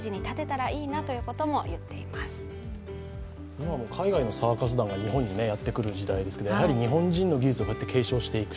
今も海外のサーカス団が日本にやってくるけどやはり日本人の技術を継承していく。